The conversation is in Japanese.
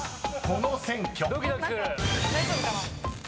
［この選挙］